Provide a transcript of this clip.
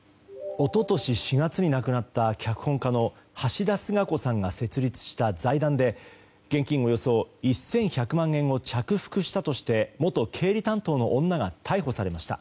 一昨年４月に亡くなった脚本家の橋田壽賀子さんが設立した財団で現金およそ１１００万円を着服したとして元経理担当の女が逮捕されました。